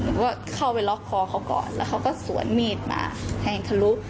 หนูก็เข้าไปล็อกคอเขาก่อนแล้วเขาก็สวนมีดมาแทงทะลุ